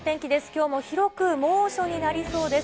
きょうも広く猛暑になりそうです。